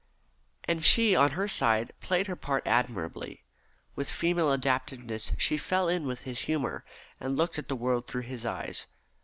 And she on her side played her part admirably. With female adaptiveness she fell in with his humour, and looked at the world through his eyes.